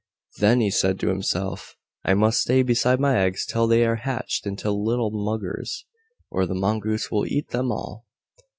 Then he said to himself, "I must stay beside my eggs till they are hatched into little muggers, or the Mongoose will eat them all."